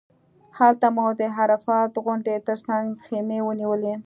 هلته مو د عرفات غونډۍ تر څنګ خیمې ونیولې.